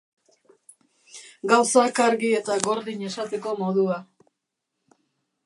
Gauzak argi eta gordin esateko modua.